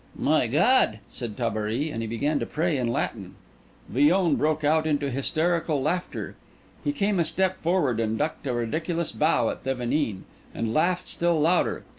"My God!" said Tabary; and he began to pray in Latin. Villon broke out into hysterical laughter. He came a step forward and ducked a ridiculous bow at Thevenin, and laughed still louder.